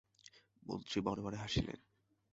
মন্ত্রী মনে মনে হাসিলেন।